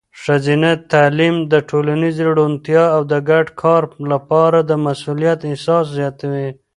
ښځینه تعلیم د ټولنیزې روڼتیا او د ګډ کار لپاره د مسؤلیت احساس زیاتوي.